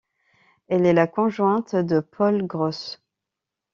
Elle est la conjointe de Paul Gross.